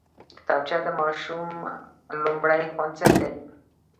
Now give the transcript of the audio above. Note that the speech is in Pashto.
کتابچه د ماشوم لومړی ښوونځی دی